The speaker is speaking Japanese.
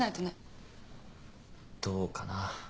どうかな。